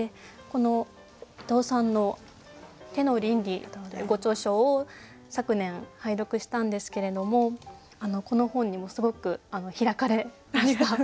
この伊藤さんの「手の倫理」ご著書を昨年拝読したんですけれどもこの本にもすごくひらかれました。